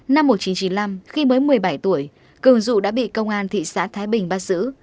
năm một nghìn chín trăm chín mươi năm khi mới một mươi bảy tuổi cường dụ đã bị công an thị xã thái bình bắt giữ